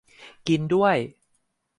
กินด้วย !